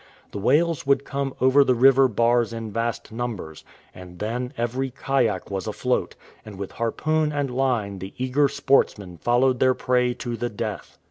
The whales would come over the river bars in vast numbers, and then every kayak was afloat, and with harpoon and line the eager sportsmen followed their prey to the death.